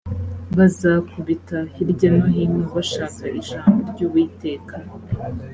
bazakubita hirya no hino bashaka ijambo ry uwiteka